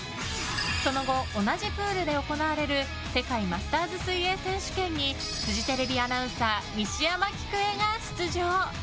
その後、同じプールで行われる世界マスターズ水泳選手権にフジテレビアナウンサー西山喜久恵が出場。